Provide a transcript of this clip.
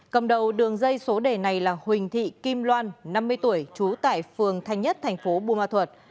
cầm đầu đường dây số đề này là huỳnh thị kim loan năm mươi tuổi trú tại phường thanh nhất thành phố bùa thuật